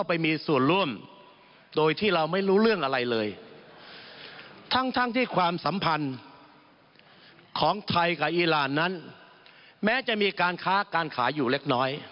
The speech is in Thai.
ไปฟังเสียงเขาหน่อยครับ